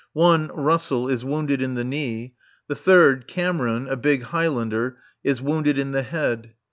One, Russell, is wounded in the knee. The third, Cameron, a big Highlander, is wounded in the head.